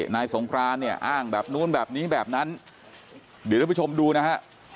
นายสงครานเนี่ยอ้างแบบนู้นแบบนี้แบบนั้นเดี๋ยวท่านผู้ชมดูนะฮะ